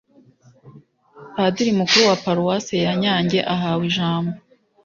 padiri mukuru wa paruwasi ya nyange ahawe ijambo,